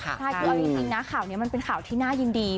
ใช่คือเอาจริงนะข่าวนี้มันเป็นข่าวที่น่ายินดี